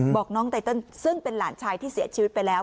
บอกน้องไตเติลซึ่งเป็นหลานชายที่เสียชีวิตไปแล้ว